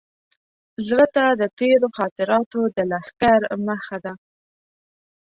زړه ته د تېرو خاطراتو د لښکر مخه ده.